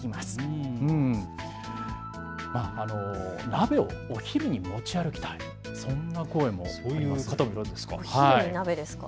鍋をお昼に持ち歩きたい、そんな声もありました。